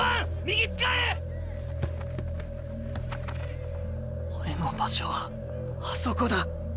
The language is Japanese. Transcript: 心の声俺の場所はあそこだ。